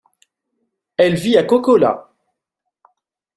Elle vit à Kokkola.